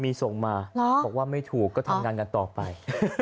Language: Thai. มีส่งมาบอกว่าไม่ถูกก็ทำงานกันต่อไป